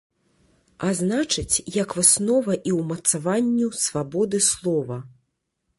А значыць, як выснова, і ўмацаванню свабоды слова.